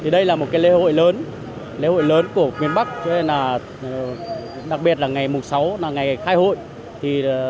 đây là một lễ hội lớn của miền bắc đặc biệt là ngày sáu là ngày khai hội